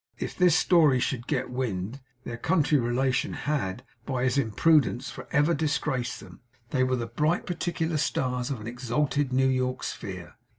If this story should get wind, their country relation had, by his imprudence, for ever disgraced them. They were the bright particular stars of an exalted New York sphere.